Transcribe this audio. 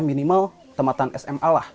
minimal tempatan sma lah